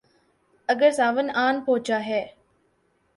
اگر ساون آن پہنچا ہے۔